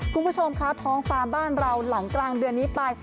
คุณผู้ชมคะท้องฟ้าบ้านเราหลังกลางเดือนนี้ไป